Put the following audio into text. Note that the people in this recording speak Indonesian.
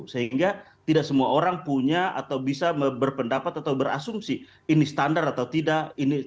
sehingga tidak semua orang punya atau bisa berpendapat atau berasumsi ini standar atau tidak